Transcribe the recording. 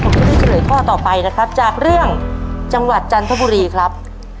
ผมจะเลือกเฉลยข้อต่อไปนะครับจากเรื่องจังหวัดจันทบุรีครับ